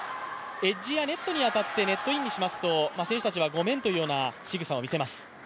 エッジやネットに当たってネットインしますと、選手たちはごめんというようなしぐさを見せます。